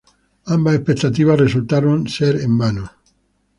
Ambas expectativas resultaron ser en vano.